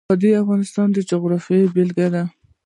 وادي د افغانستان د جغرافیې بېلګه ده.